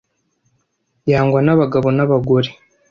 yangwa n'abagabo n'abagore